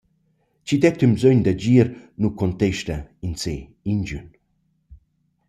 Chi detta ün bsögn d’agir nu contesta insè ingün.